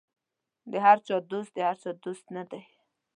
د هر چا دوست د هېچا دوست نه دی.